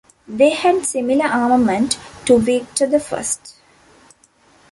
They had similar armament to "Victor the First".